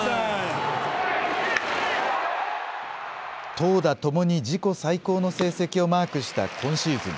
投打ともに自己最高の成績をマークした今シーズン。